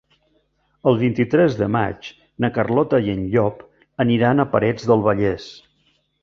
El vint-i-tres de maig na Carlota i en Llop aniran a Parets del Vallès.